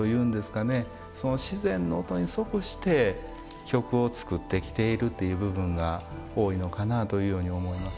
その自然の音に即して曲を作ってきているという部分が多いのかなというように思います。